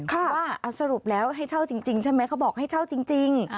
ว่าเอาสรุปแล้วให้เช่าจริงใช่ไหมเขาบอกให้เช่าจริง